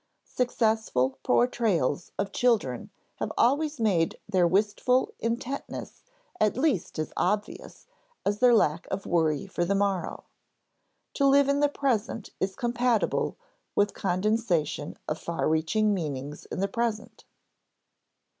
Successful portrayals of children have always made their wistful intentness at least as obvious as their lack of worry for the morrow. To live in the present is compatible with condensation of far reaching meanings in the present.